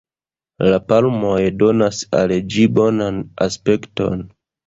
La palmoj donas al ĝi bonan aspekton.